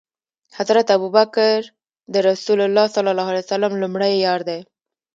حضرت ابوبکر ص د رسول الله ص لمړی یار دی